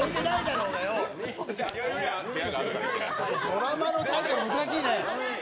ドラマのタイトル難しいね。